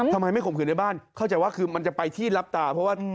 ทำไมไม่ข่มขืนในบ้านเข้าใจว่ามันจะไปที่ลับตา